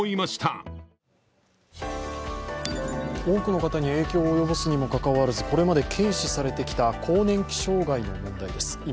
多くの方に影響を及ぼすにもかかわらず、これまで軽視されてきた更年期障害の問題です。